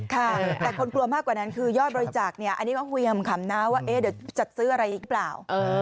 ค่ะแต่คนกลัวมากกว่านั้นคือยอดบริจักษ์เนี่ยอันนี้ว่าเวียมขำนะว่าเอ๊ะเดี๋ยวจะซื้ออะไรอีกเปล่า